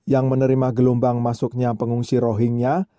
yang menerima gelombang masuknya pengungsi rohingya